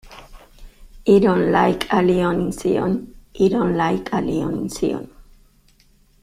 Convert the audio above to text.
Iron like a lion in Zion, iron like a lion in Zion.